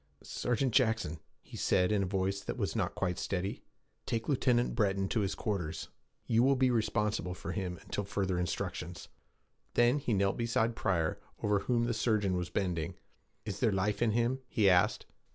'Sergeant Jackson,' he said, in a voice that was not quite steady, 'take Lieutenant Breton to his quarters. You will be responsible for him until further instructions.' Then he knelt beside Pryor, over whom the surgeon was bending. 'Is there life in him?' he asked.